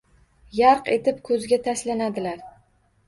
Yarq etib ko‘zga tashlanadilar.